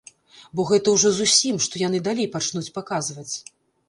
Бо гэта ўжо зусім, што яны далей пачнуць паказваць?